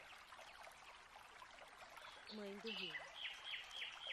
Mãe do Rio